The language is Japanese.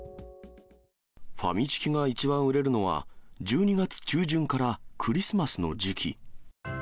ファミチキが一番売れるのは、１２月中旬からクリスマスの時期。